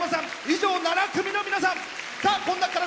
以上、７組の皆さん。